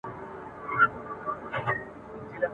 زما پر تا باندي اوس لس زره روپۍ دي ..